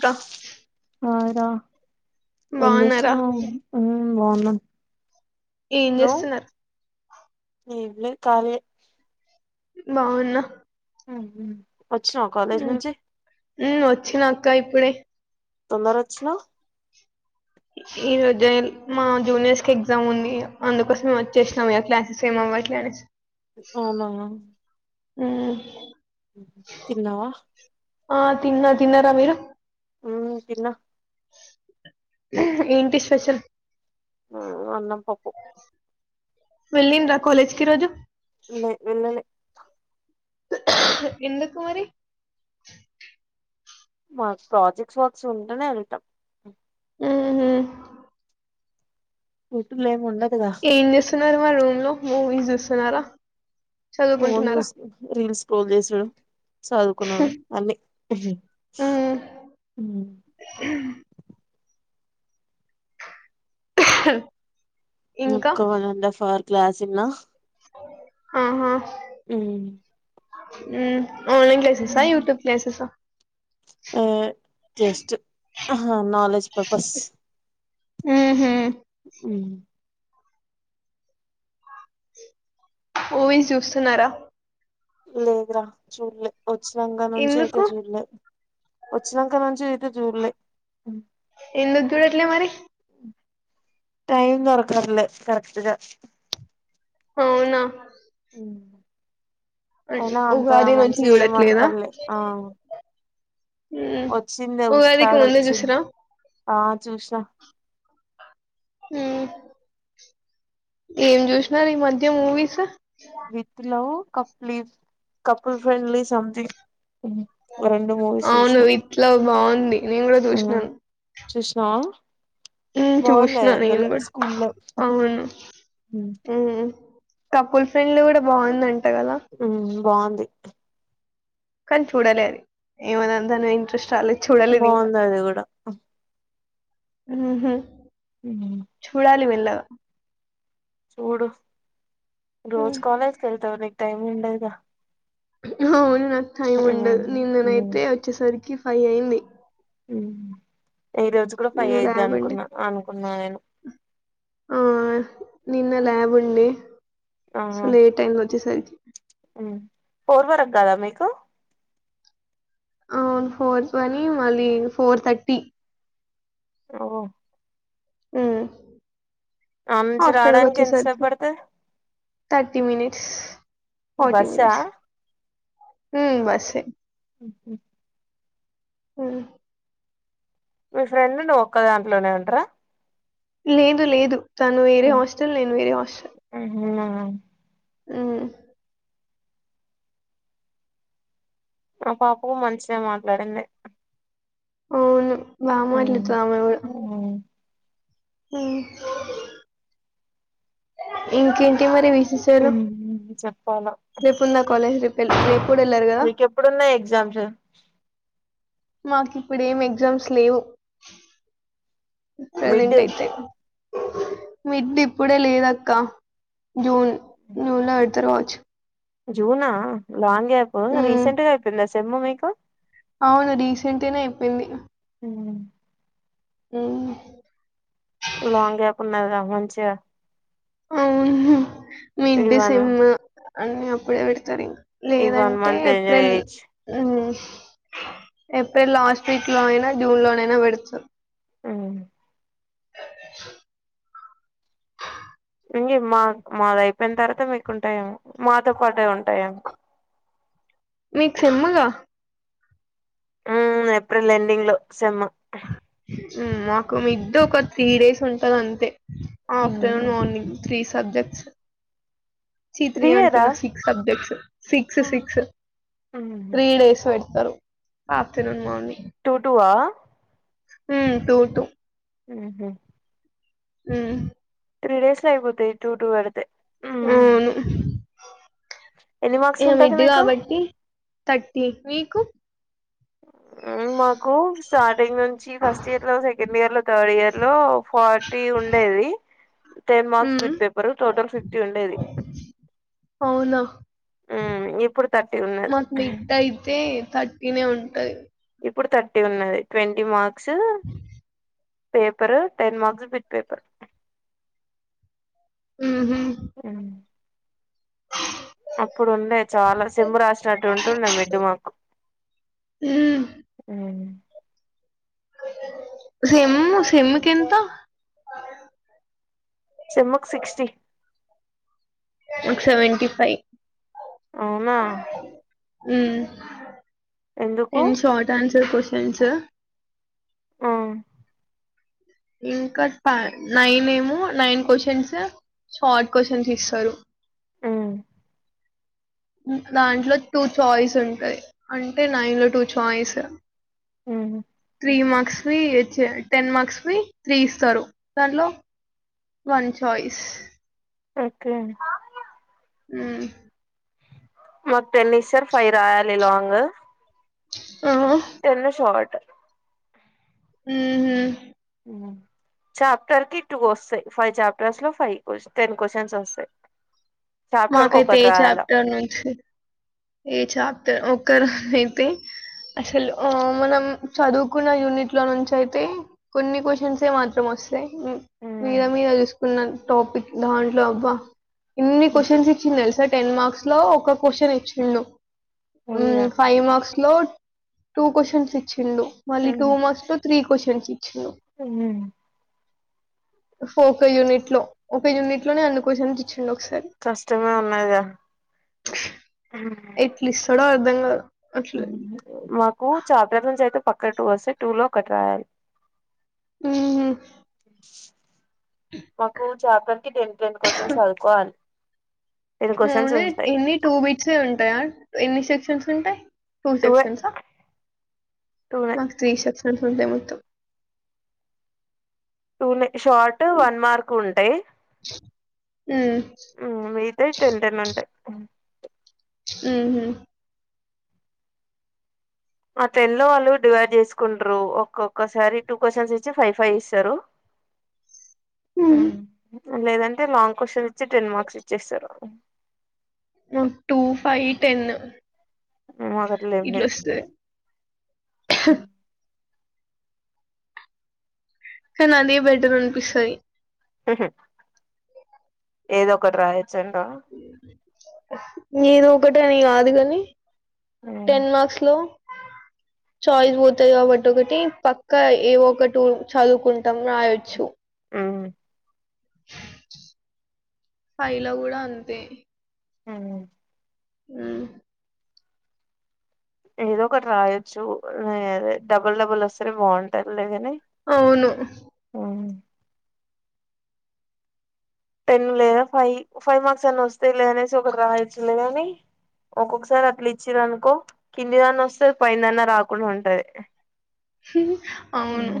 క ఆ ఎం చేస్తున్నవ్? బావున్నాను. ఏం చేస్తున్నరు? ఏం లేదు, కాలియే. బావున్నా. ఉమ్ హు వచ్చినవ కాలేజ్ నుంచి? ఉమ్ ఒచ్చినక్క ఇప్పుడే. తొందరోచ్చినవ్? ఈ రోజె మా జూనియర్స్ కి ఎగ్జామ్ ఉంది. అందుకోసమే వచ్చేసినం ఇగ, క్లాసెస్ ఏమవట్లే అని. అవునా. ఉమ్ తిన్నావ? ఆ తిన్న, తిన్నరా మీరు? ఉమ్, తిన్న. ఏంటి స్పెషల్? ఉమ్ అన్నం. పప్పు వెళ్ళింరా కాలేజ్ కి ఈరోజు? లె, వెళ్లలే. ఎందుకు మరి? మాకు ప్రాజెక్ట్స్ వర్క్స్ ఉంటేనే ఎళ్తాం. ఉహు ఇటులేముండక్ ఏం చేస్తున్నారు మా రూమ్ లో మ ఇజస్తున్నారా రీల్స్ పోగేశర చదువుకున్నాను అన్ని ఉమ్ ఇంకా ముక్కవంద ఫార్ క్లాసిలా ఆహా ఉ ఆ ఆ జస్ట్ నాలెడ్జ్ పర్పస్ ఆహా ఉ ఓహ చూస్తున్నారా లేదురా చూడలేదు ఉచ్చిలంక నుంచి అయితే ఎందుకు చూల్లే ఉచ్చలంక నుంచి జూల ఎందు గ్యూడ ఎట్లే మరి టైమ్ొరకదులే కరెక్ట్గా అవును అ ఉగాది నుంచి చూడట్లేదా అనపల్లే ఆ వచ్చిందే ఉగాదికి ఉస్తాద్ ముంద వచ్చింది చూసరా ఆ చూసిన హ ఏం చూసినారు ఈ మధ్య మూవీస్ విత్తిలో కలీ కపుల్ ఫ్రెండ్లీ సథింగ్ అవును ఇట్లా బాగుంది నేను కూడా చూసినాను సృష్నా చూసినా నేను కూడా అవును కపుల్ ఫ్రెండ్లు కూడా బాగుందండి ఆ బాగుంది కానీ చూడలేదు ఏమందింతా ను ఇంట్రెస్ట్ ఆలోచ బాగుంది అది కూడా ఆహా ఉన్న లో చూడు మ్మ్ రోజ్ కాలేజ్ కేళ్తావ నీ టైమ్ ఉండదా ఉహ్ ఉన్న టైం ఉండదు నిన్ననైతే వచ్చేసరికి ఫై అయింది ఉ నిన్న ల్యాబ్ ఉండి అనుకున్నా నేను ఆ నిన్న ల్యాబ్ ఉండి చలు ఏ టైమ్ లోచ్చతే సరికి ఉ పోర్వరకు గదా మీకు అవును ఫోర్ పని మళ్ళీ ఫోర్ థర్టీ ఓ ఉ ఆ నుంచి హాస్టల్ కి రావడానికి వచ్చే ఎంతసేపు సరికి పడుతది తర్టీ మనిట్స్ ఫర్టీ బస్సా మనిట్స్ ఉ బస్సు ఏ ఉ హు హ మీ ఫ్రెండ్ నువ్వు ఒక్క దాంట్లోనే ఉంటరా లేదు లేదు తను వేరే హాస్టల్ నేను వేరే హాస్టల్ ఉ ఆ ఆ పాపకు మంచిషద మాట్లాడింది అవును వామ ఎట్ల త అమె అ ఇంకేంటి మరి లు రిపుందాలజ ర పెల్క్లిప్ మీక ఎప్పుడున్నా ఎగ్జామ్స్ మాకి ఇప్పుడు ఏం ఎగ్జామ్స్ లేవు మిడ్ ప్రెసెంట్ అయితే మిడ్ ఇప్పుడే లేద అక్క జూన్ జూన్ లో పెడతారు రాచ్చు జూనా లాంగ్ అయిపో ఉమ్, రీసెంట్ గా [unintelligible] చెమ్మమకా అవును రీసెంట్నే అయిపోయింది ఉ ఆ లాంగ్ కాకున్నా మంచిగా అవుహ మిడ్ ఈ వన్ డిసెమ్ అన్నీ అప్పుడే పెడతారు ఇంకా ఈ వన్ లేదంటే మంత్ ఎంజాయ్ ఏప్రిల్ చేయొచ్చు ఎప్రిల్ లాస్ట్ వీక్ లోనా జూన్ లోనేేనా విడుచు ఆ ఇంక మా మాది అయిపోయిన తర్వాత మీకుంటాయండి మాతో పాటే ఉంటాఎండి మీకు సిమ్ముగా ఉ ఏప్రిల్ ఎడింగ్ లో సేమ్ ఇ మద్ద ఒక త్రీ డేస్ ఉంటంది అంతే ఆఫ్టర్నూన్ మార్నింగ్ త్రీ సబ్జెక్ట్స్ చి తీ త్రీ ఇయరా అంటున్నా six subjects six six three days పెట్ ఆతనం మని టూ టూవా హ టూ టూ ఆహ ఆ త్రీ డేస్ లో అయిపోతయి టూ టూ పేడితే అవును ఎన్ని మార్క్స్ ఇగ ఉంటది మిడ్ మీకు కాబట్టి థర్టీ మీకు మ కు స్టార్టింగ్ నుంచి ఫస్ట్ ఇయర్ లో సెకండ్ ఇయర్ లో థర్డ్ ఇయర్ లో ఫార్టీ ఉండేది ten marks um bit paper total fifty ఉండేది అవునా ఇప్పుడు థర్టీ ఉన్నది థర్టీ నే ఉంటాయి ఇప్పుడు థర్టీ ఉన్నది twenty marks paper ten marks bit paper ఉహు ఆ అప్పుడు ఉండే చాలా సెమ్ము రాసినట్టు ఉంటుండ మిడ్ మాకు ఉమ్ సేమ్ సేమ్ కి ఎంత సెమ్ము కి సిక్స్టీ సెవెటీ ఫైవ్ అవునా అ ఎందుకు టన్ షార్ట్ ఆన్సర్ క్యూషన్స్ విష స ఆ ఇంకా నైన్ ఏమో నైన్ క్యూషన్స్ షార్ట్ క్యూషన్స్ ఇస్తారు ఆ దాంట్లో టూ చాయిస్ ఉంటాయి అంటే నైన్ లో two choice um three marks వి టెన్ మార్క్స్ వి త్రీ ఇస్తారు దాంట్లో వన్ చాయిస్. ఓకే ఉమ్మ్ మాకు టెన్ ఇస్తారు ఫైవ్ రాయాలి లాంగు ఆ, టెన్ షార్ట్ ఆ చాప్టర్ కి టూ వస్తాయి ఫైవ్ చాప్టర్స్ లో ఫైవ్ టెన్ క్యూషన్స్ వస్తాయి చాప్టర్ కి మాకైతే ఒకటి ఏ రాయాల చాప్టర్ నుంచి ఏ చాప్టర్ ఒకరు అయితే అసలు మనం చదువుకున్న యూనిట్ లో నుంచి అయితే కొన్ని క్యూషన్స్ మాత్రం వస్తా మీద మ్మ్ మీద చూసుకున్నాను టాపిక్ దాంట్లో అవ్వ ఇన్ని క్యూషన్స్ ఇచ్చింది తెలుసా టెన్ మార్క్స్ లో ఒక క్వశ్చన్ ఇచ్చ ఇల్లు ఉమ్ అయ్యా ఫైవ్ మార్క్స్ లో టూ క్వశ్చన్స్ ఇచ్చి ఫుల్లు మళ్లీ టూ మస్ కో త్రీ [unintelligible] ఉమ్మ్ అఫోక యూనిట్ లో ఒక యూనిట్ లోనే అన్ని క్వశ్చన్స్ ఇచ్చిండు ఒకసారి కష్టమే ఉన్నదిగా ఎట్ల ఇస్తావ్ హలో అర్ధంగాల మాకు చాప్టారు నుంచి అయితే పక్క టూ వస్తే టూలో కట్ రాయాలి ఊహుం మాకు చాప్టర్ కి టెన్ టెన్ క్వశ్చన్స్ చదువుకోవాలి. టెన్ క్వశ్చన్స్ [unintelligible] ఉంటాయి ఎన్ని టూ వీక్స్ ఏ ఉం టాయా ఎన్ని సెక్షన్స్ ఉంటాయ్ టూ టూవే సెక్షన్స్ ఆ, టూనే మాకు త్రీ సెక్షన్స్ ఉండే మొత్తం టూ నే షార్ట్ వన్ మార్క్ ఉంటాయ్. హ్మ్ ఉం మిగతాయి టెన్ టెన్ ఉంటాయి. అం ఆహ ఆ టెన్ లో వాళ్ళు డివైడ్ చేసుకుంటారు ఒక్కొక్కసారి టూ క్వశ్చన్స్ ఇచ్చి ఫైవ్ ఫైవ్ ఇస్తారు హ్మ్ ఆ లేదంటే లాంగ్ క్వశ్చన్ ఇచ్చి టెన్ మార్క్స్ ఇచ్చేస్తారు టూ, ఫైవ్, టెన్ మాకు అట్లే ఏం ఇట్లా లేదు. వస్తది ఉ కానీ అదే బెడ్రూమ్ అనిపిస్తది. ఊహుం ఏదో ఒకటి రాయొచ్చంట నేను ఒకటి అని కాదు కాని టెన్ మార్క్స్ లో చాయిస్ పోతాయి కాబట్టి ఒకటి పక్క ఏ ఒకటి చదువుకుంటాం రాయొచ్చు. ఉం ఫైవ్ లో కూడా అంతే హ ఆ ఏదో ఒకటి రాయొచ్చు డబుల్ డబుల్ వస్తే బాగుంటారు లేదని అవును ఆవు టెన్ లేదా ఫైవ్ ఫైవ్ మార్క్స్ అన్నా వస్తే లేదనేసి ఒకటి రాయొచ్చులేదని ఒక్కొక్కసారి అట్లు ఇచ్చర అనుకో కిందిదన్నా వస్తే పయిందన్న రాకుండా ఉంటది హ అవును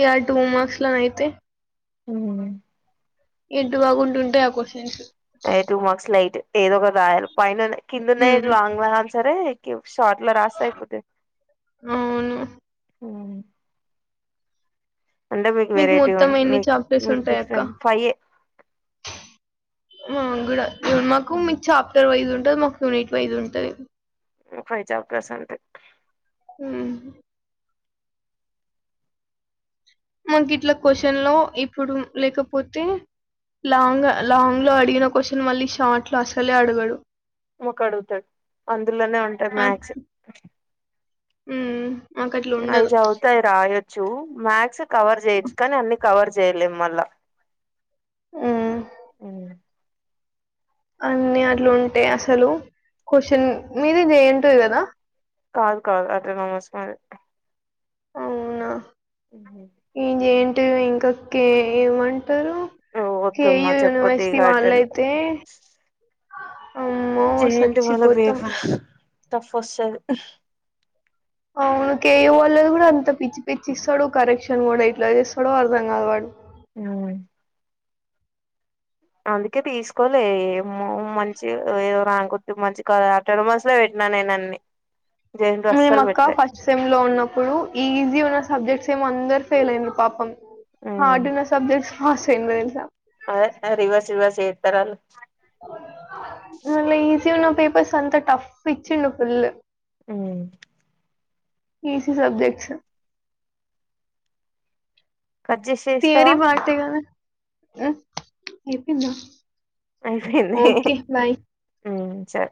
ఇ ఆ టూ మార్క్స్ లోనే అయితే అ ఎడ్డు బాగుంటుంటే ఆ కోెంస్ అయి టూ మార్క్స్ లైట్ ఏదొ ఒక గయాల పైన కిందన్నాయి మ్మ్ లాంగ్ల అన్ సరే షార్ట్ లో రాస్తా అయిపోతే అవును అంటే మీకు వెరైటీ మొత్తం ఎన్ని మీ చాప్టర్స్ మీకు ఉంటాయి అక్క డిఫరెంట్ ఫైవ మాంగడు ఇవ మాకు మీకు చాప్టర్ వైజ్ ఉంది ఉ నిట్ వైజ ఉంటుంది ఫై చా ప్రశంత హ మాకు ఇట్లా క్వశ్చన్ లో ఇప్పుడు లేకపోతే లాంగ్ లాంగ్ లో అడిగిన క్వశ్చన్ మళ్ళీ షార్ట్ లో అసలే అడగడు మాకు అడుగుతాడు అందులోనే ఉంటారు ఆ మ్యాక్సి హ్మ్ మాకు అట్లా అవి ఉండదు చవుతాయి రాయొచ్చు మ్యాక్్స్ కవర్ చేయొచ్చు కానీ అన్ని కవర్ చేయలే మళ్ళా హ్మ్ అవు అన్ని అట్లుంటాయి అసలు క్వశ్చన్ మీరే చేయంటుంది కదా కాదు కాదు అటోనమస్ మరి అవునా ఏజ ఏంటి అంటే ఇంకా కే ఏమంట య వద్దమ్మా చెప్పొద్దు యునివర్సిటీ ఇగ అటెన్ వాన్లయితే చేంటి వాళ్ళ బేవ తఫ ఫొస అవును కేయ వాళ్ళది కూడా అంత పిచ్చి పిచ్చి ఇస్తాడు కరెక్షన్ కూడా ఇట్లా చేస్తాడు అర్ధం కాదు వాడు ఆ అందుకే తీసుకోలే ఏమో మంచి ఏదో రాక మంచి ఆఫ ట మంతస్ లో పెట్టినా నేను అన్ని జేఎన్‌టీయూ మే అస్సలు అక్క పెట్టలే ఫస్ట్ సెమ్ లో ఉన్నప్పుడు ఈజీ ఉన్న సబ్జెక్ట్స్ ఏమ అందరు ఫెల్ అయింది పాపం హ అడున్న సబ్ద స్యి స అద రివర్స్ రివర్స్ ఏ తరలు మళ్ళీ ఈజీ ఉన్న పేపర్స్ అంతా టఫ్ ఇచ్చిం ఫుల్ ఆ ఈసి సబ్జెక్ట్స్ కట్ చేసి తర చేస్తావా మాగానే ఆ ఏకుంద అయిపోయింది సరే